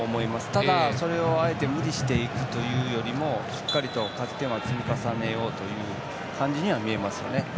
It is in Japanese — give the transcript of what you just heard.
ただ、それをあえて無理していくというよりもしっかりと勝ち点を積み重ねようという感じに見えますよね。